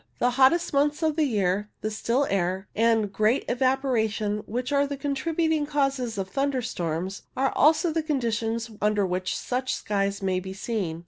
The hottest months of the year, the still air and great evapora tion which are the contributing causes of thunder storms, are also the conditions under which such skies may be seen.